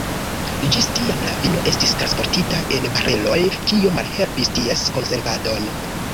Ĝis tiam la vino estis transportita en bareloj, kio malhelpis ties konservadon.